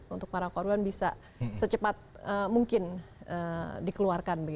untuk para korban bisa secepat mungkin dikeluarkan